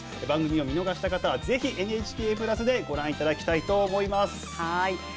番組を見逃した方はぜひ「ＮＨＫプラス」でご覧いただきたいと思います。